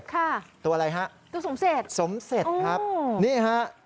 ค่ะตัวอะไรครับสมเสร็จครับนี่ฮะ